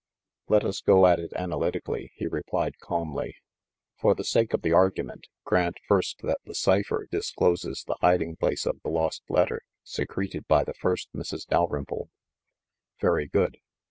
"Let us go at it analytically," he replied calmly. "For the sake of the argument, grant first that the cipher discloses the hiding place of the lost letter, secreted by the first Mrs. Dalrymple. Very good.